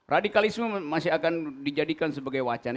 radikalisme masih akan dijadikan sebagai wacana